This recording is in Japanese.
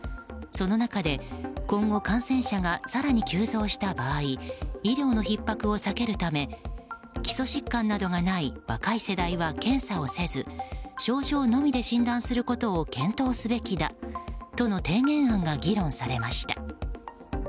その中で今後、感染者が更に急増した場合医療のひっ迫を避けるため基礎疾患などがない若い世代は検査をせず症状のみで診断することを検討すべきだとの提言案が議論されました。